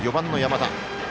４番の山田。